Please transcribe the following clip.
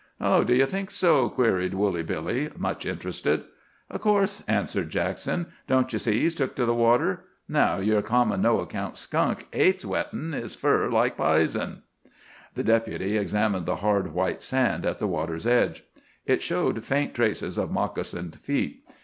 "Oh, do you think so?" queried Woolly Billy, much interested. "Of course," answered Jackson. "Don't you see he's took to the water? Now, yer common, no account skunk hates wettin' his fur like pizen." The Deputy examined the hard, white sand at the water's edge. It showed faint traces of moccasined feet.